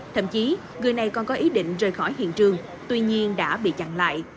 thậm chí người này còn có ý định rời khỏi hiện trường tuy nhiên đã bị chặn lại